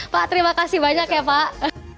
pak terima kasih banyak ya pak